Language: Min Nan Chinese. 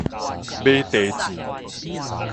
馬蹄糋